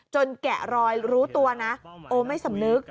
แกะรอยรู้ตัวนะโอไม่สำนึก